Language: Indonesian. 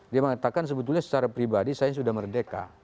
dia mengatakan sebetulnya secara pribadi saya sudah merdeka